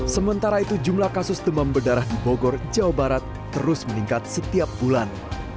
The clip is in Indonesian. sementara itu jumlah kasus demam berdarah di bogor jawa barat terus meningkat setiap bulan